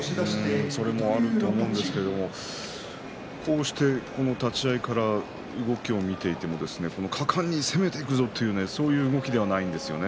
それもあると思うんですけれどもこうしてこの立ち合いから動きを見ていても果敢に攻めていくぞというそういう動きではないですよね。